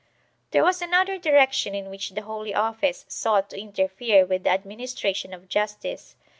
There was another direction in which the Holy Office sought to interfere with the administration of justice.